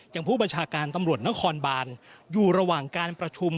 อย่างผู้ประชาการตำรวจน้องคอนบานอยู่ระหว่างการประชุม